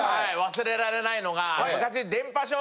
忘れられないのが昔。